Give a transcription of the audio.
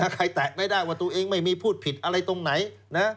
ใครแตะไม่ได้ว่าตัวเองไม่มีพูดผิดอะไรตรงไหนนะ